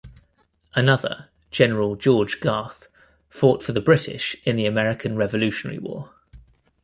Another, General George Garth, fought for the British in the American Revolutionary War.